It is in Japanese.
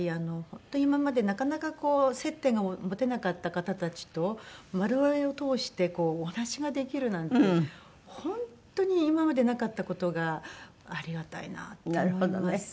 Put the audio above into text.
本当今までなかなかこう接点が持てなかった方たちとマルオレを通してお話しができるなんて本当に今までなかった事がありがたいなって思います